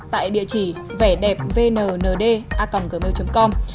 tại địa chỉ vẻ đẹp vnnd a gmail com